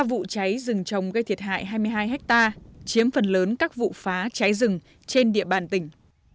vụ cháy rừng trồng gây thiệt hại hai mươi hai hectare chiếm phần lớn các vụ phá cháy rừng trên địa bàn tỉnh